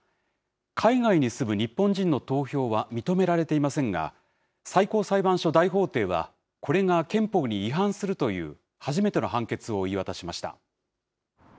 海外に住む日本人の投票は認められていませんが、最高裁判所大法廷は、これが憲法に違反するという初めての判決を言い渡しました。